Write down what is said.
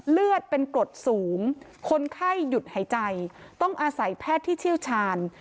เลือดเป็นกรดสูงคนไข้หยุดหายใจต้องอาศัยแพทย์ที่เชี่ยวชาญ